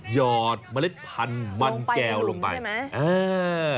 ยอดเมล็ดพันธุ์มันแก้วลงไปลงไปปรุงใช่ไหม